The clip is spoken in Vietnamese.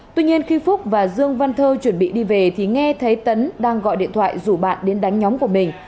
tuy nhiên khi phúc và dương văn thơ chuẩn bị đi về thì nghe thấy tấn đang gọi điện thoại rủ bạn đến đánh nhóm của mình